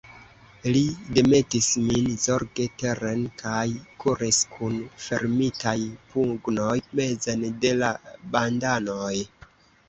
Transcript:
Li demetis min zorge teren kaj kuris, kun fermitaj pugnoj, mezen de la bandanoj.